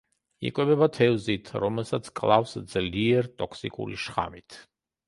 იკვებება თევზით, რომელსაც კლავს ძლიერ ტოქსიკური შხამით.